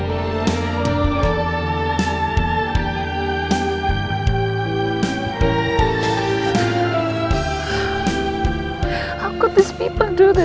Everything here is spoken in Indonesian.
jika ada apa pula buat nelake tadi